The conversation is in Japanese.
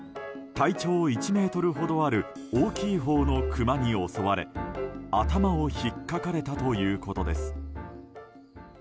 体長１ｍほどある大きいほうのクマに襲われ頭をひっかかれたということです。